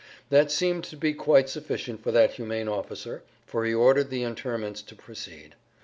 That seemed to be quite sufficient for that humane officer, for he ordered the interments to proceed.